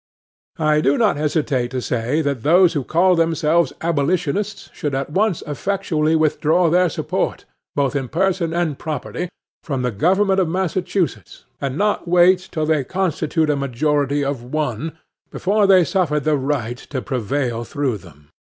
I do not hesitate to say, that those who call themselves abolitionists should at once effectually withdraw their support, both in person and property, from the government of Massachusetts, and not wait till they constitute a majority of one, before they suffer the right to prevail through them.